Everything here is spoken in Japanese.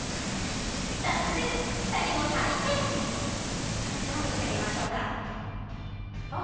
早速２人も体験ちょっとジャンプしてみましょうかあっ！